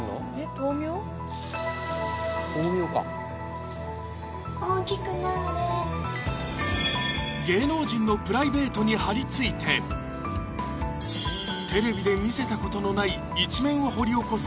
豆苗か大きくなれ芸能人のプライベートに張り付いてテレビで見せたことのない一面を掘り起こす